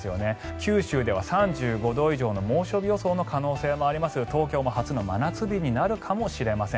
九州では３５度以上の猛暑日予想の可能性もありまして東京も初の真夏日になるかもしれません。